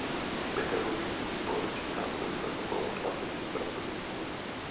Pedagogický sbor čítá obvykle okolo dvaceti pracovníků.